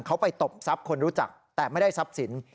เขาไปตบทรัพย์คนรู้จักแต่ไม่ได้ทรัพย์สิน